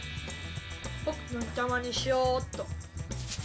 僕、のりたまにしようっと。